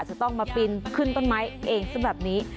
จะต้องมาปินขึ้นต้นไม้เองสำหรับนี้